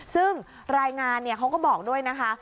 ซึ่งรายงานเขาก็บอกด้วยนะคะ